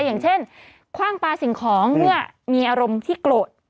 อย่างเช่นคว่างปลาสิ่งของเมื่อมีอารมณ์ที่โกรธ